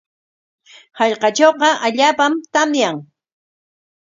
Hallqatrawqa allaapam tamyan.